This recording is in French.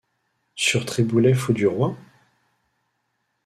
Sur Triboulet fou du roi ?